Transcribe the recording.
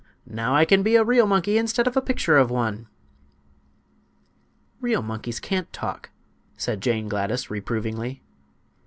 Now I can be a real monkey instead of a picture of one." "Real monkeys can't talk," said Jane Gladys, reprovingly.